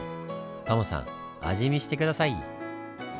タモさん味見して下さい！